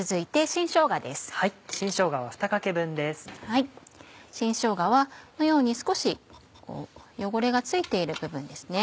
新しょうがはこのように少し汚れが付いている部分ですね